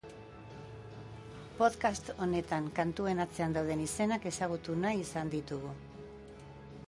Podcast honetan, kantuen atzean dauden izenak ezagutu nahi izan ditugu.